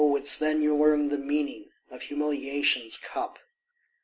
it's then you learn the meaning of humiliation's cup.